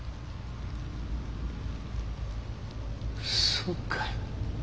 そうかい。